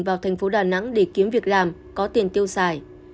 vào thành phố đà nẵng để kiếm việc làm có tiền tiêu xài